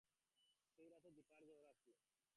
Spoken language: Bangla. সেই রাতে দিপার জ্বর আসল।